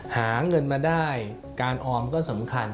หาเงินมาได้การออมก็สำคัญ